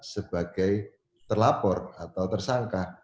sebagai terlapor atau tersangka